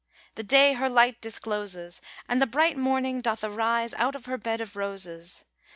The day her light discloses, And the bright morning doth arise Out of her bed of roses.